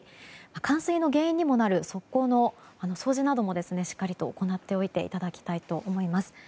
冠水の原因にもなる側溝の掃除などもしっかりと行っておいていただきたいと思います。